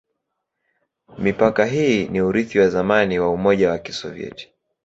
Mipaka hii ni urithi wa zamani za Umoja wa Kisovyeti.